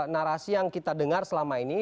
narasi yang kita dengar selama ini